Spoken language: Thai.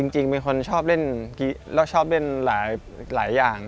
จริงเป็นคนชอบเล่นหลายอย่าง